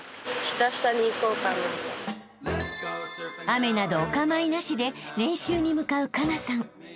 ［雨などお構いなしで練習に向かう佳那さん］